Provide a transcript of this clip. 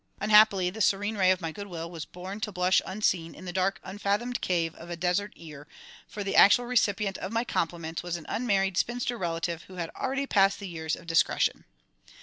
Unhappily the serene ray of my goodwill was born to blush unseen in the dark unfathomed cave of a desert ear, for the actual recipient of my compliments was an unmarried spinster relative, who had already passed the years of discretion.